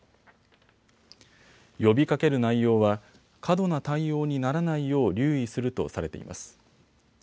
呼びかける内容は過度な対応にならないよう留意するとされています。